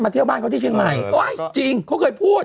เที่ยวบ้านเขาที่เชียงใหม่โอ้ยจริงเขาเคยพูด